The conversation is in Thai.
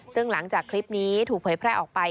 ซึ่งหลังจากคลิปนี้ถูกเผยแพร่ออกไป